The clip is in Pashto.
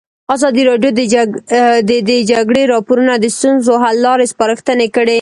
ازادي راډیو د د جګړې راپورونه د ستونزو حل لارې سپارښتنې کړي.